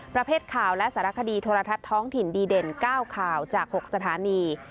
ประเภทข่าวและสารคดีโทรทัศน์ท้องถิ่นดีเด่น๙ข่าวจาก๖สถานี